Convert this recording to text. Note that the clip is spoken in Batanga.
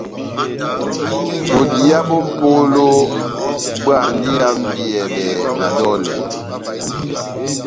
Bodiya bó mʼpola bóhándi ihambiyɛbɛ na dɔlɛ.